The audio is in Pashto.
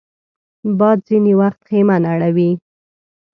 باد ځینې وخت خېمه نړوي